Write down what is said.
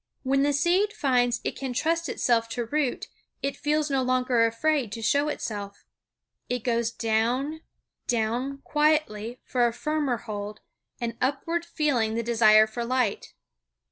When the seed finds it can trust itself to root it feels no longer afraid to show itself. It goes down, down quietly for a firmer hold, and upward feeling the desire for light.